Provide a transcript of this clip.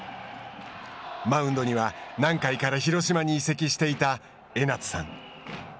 マウンドには、南海から広島に移籍していた江夏さん。